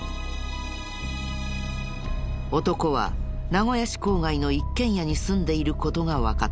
男は名古屋市郊外の一軒家に住んでいる事がわかった。